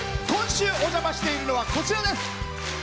今週お邪魔しているのはこちらです。